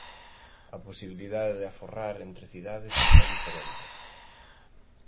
A posibilidade de aforrar entre cidades é diferente.